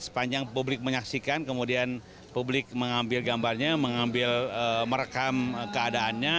sepanjang publik menyaksikan kemudian publik mengambil gambarnya mengambil merekam keadaannya